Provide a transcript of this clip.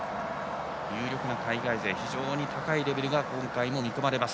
有力な海外勢非常に高いレベルが今回も見込まれます。